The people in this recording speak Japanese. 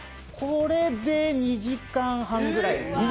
これで２時間半ぐらい。